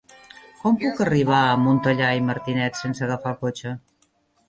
Com puc arribar a Montellà i Martinet sense agafar el cotxe?